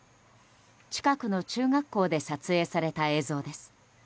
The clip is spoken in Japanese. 近くの中学校で撮影された映像です。